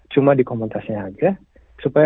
cuma di komunitasnya aja